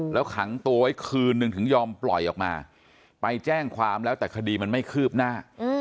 แล้วขังตัวไว้คืนนึงถึงยอมปล่อยออกมาไปแจ้งความแล้วแต่คดีมันไม่คืบหน้า